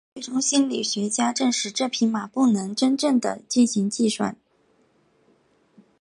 最终心理学家证实这匹马不能真正地进行计算。